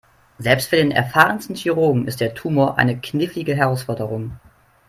Selbst für den erfahrensten Chirurgen ist der Tumor eine knifflige Herausforderung.